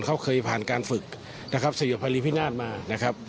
เขาเคยผ่านการฝึกนะครับสยบภัยรีพินาศมานะครับ